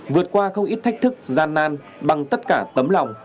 vượt qua không ít thách thức gian nan bằng tất cả tấm lòng